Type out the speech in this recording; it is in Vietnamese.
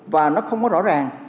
và nó không có rõ ràng